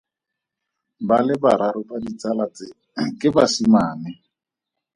Ba le bararo ba ditsala tse ke basimane.